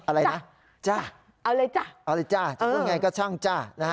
อะไรนะจ๊ะเอาเลยจ้ะเอาเลยจ้ะจะพูดไงก็ช่างจ้ะ